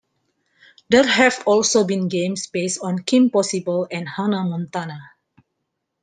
There have also been games based on Kim Possible and Hannah Montana.